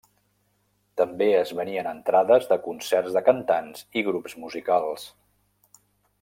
També es venien entrades de concerts de cantants i grups musicals.